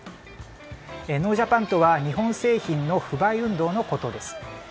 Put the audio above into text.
ノージャパンとは日本製品の不買運動のことです。